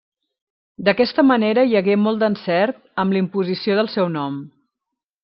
D'aquesta manera hi hagué molt d'encert amb d'imposició del seu nom.